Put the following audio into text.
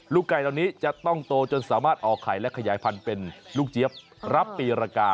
ไก่เหล่านี้จะต้องโตจนสามารถออกไข่และขยายพันธุ์เป็นลูกเจี๊ยบรับปีรกา